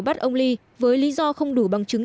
bắt ông ly với lý do không đủ bằng chứng